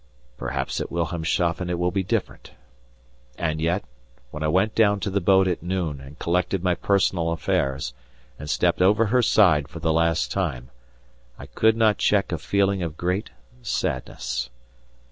Perhaps at Wilhelmshafen it will be different, and yet, when I went down to the boat at noon and collected my personal affairs and stepped over her side for the last time, I could not check a feeling of great sadness.